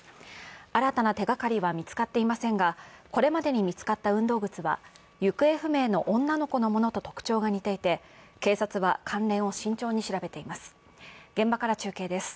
新たな手がかりは見つかっていませんが、これまでに見つかった運動靴は行方不明の女の子のものと特徴が似ていて警察は関連を慎重に調べています。